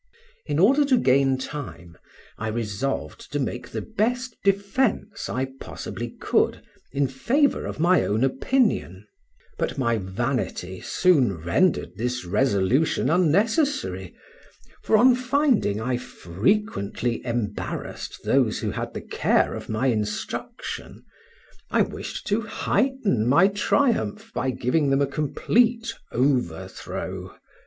In order to gain time, I resolved to make the best defence I possibly could in favor of my own opinion; but my vanity soon rendered this resolution unnecessary, for on finding I frequently embarrassed those who had the care of my instruction, I wished to heighten my triumph by giving them a complete overthrow.